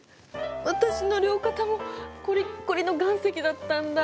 私の両肩もこりっこりの岩石だったんだ！